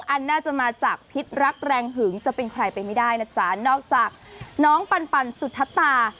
อันน่าจะมาจากพิษรักแรงหึงจะเป็นใครไปไม่ได้นะจ๊ะนอกจากน้องปันสุธตา